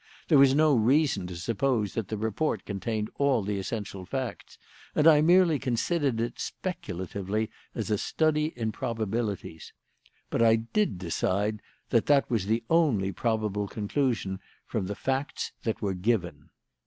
There was no reason to suppose that the report contained all the essential facts, and I merely considered it speculatively as a study in probabilities. But I did decide that that was the only probable conclusion from the facts that were given.